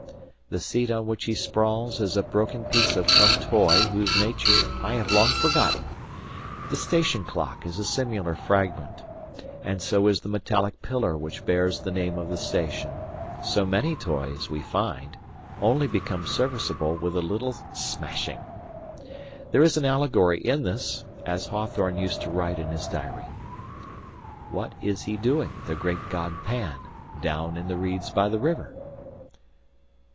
The seat on which he sprawls is a broken piece of some toy whose nature I have long forgotten, the station clock is a similar fragment, and so is the metallic pillar which bears the name of the station. So many toys, we find, only become serviceable with a little smashing. There is an allegory in this as Hawthorne used to write in his diary. ("What is he doing, the great god Pan, Down in the reeds by the river?")